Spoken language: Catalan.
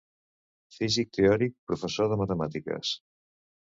Físic teòric, professor de matemàtiques.